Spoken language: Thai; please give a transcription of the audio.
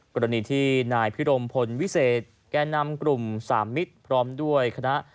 กรณีที่นายพิรมพลวิเศษแก่นำกลุ่มสามมิตรพร้อมด้วยคณะ